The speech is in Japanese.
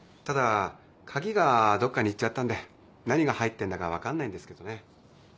ただ鍵がどっかにいっちゃったんで何が入ってんだか分かんないんですけどね。